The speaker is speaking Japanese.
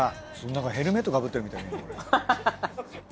なんかヘルメットかぶってるみたい。